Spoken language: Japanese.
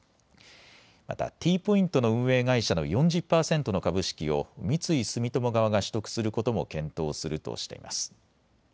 またＴポイントの運営会社の４０％の株式を三井住友側が取得することも検討するとしています。